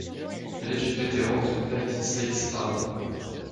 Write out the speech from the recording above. Elle est une vétéran de l'United States Army.